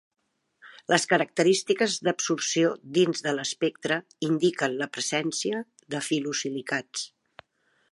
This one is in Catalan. Les característiques d'absorció dins de l'espectre indiquen la presència de filosilicats.